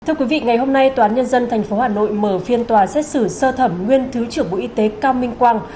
thưa quý vị ngày hôm nay tòa án nhân dân tp hà nội mở phiên tòa xét xử sơ thẩm nguyên thứ trưởng bộ y tế cao minh quang